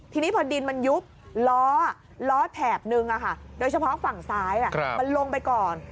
ทีนี้พอดินมันยุบล้อแถบนึงโดยเฉพาะฝั่งซ้ายมันลงไปก่อน